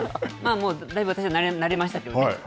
だいぶ私は慣れましたけどね。